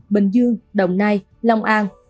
bình dương đồng nai long an